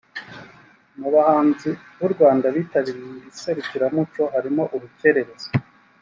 Mu bahanzi b’u Rwanda bitabiriye iri serukiramuco harimo Urukerereza